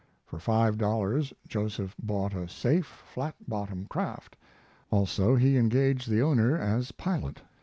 For five dollars Joseph bought a safe, flat bottom craft; also he engaged the owner as pilot.